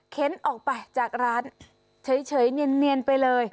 ออกไปจากร้านเฉยเนียนไปเลย